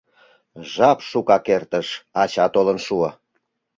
Жап шукак эртыш, ача толын шуо.